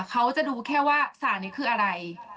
เขาจะดูแค่ว่าสารนี้คืออะไร